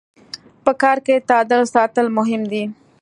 په کار کي تعادل ساتل مهم دي.